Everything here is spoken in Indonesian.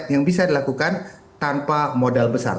yang bisa dilakukan tanpa modal besar